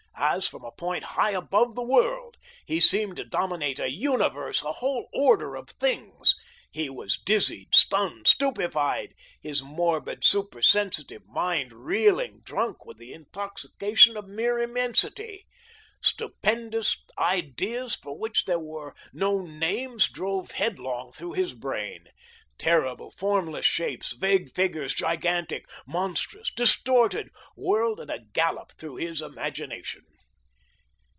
As from a point high above the world, he seemed to dominate a universe, a whole order of things. He was dizzied, stunned, stupefied, his morbid supersensitive mind reeling, drunk with the intoxication of mere immensity. Stupendous ideas for which there were no names drove headlong through his brain. Terrible, formless shapes, vague figures, gigantic, monstrous, distorted, whirled at a gallop through his imagination.